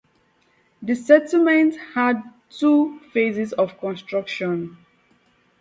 The settlement had two phases of construction.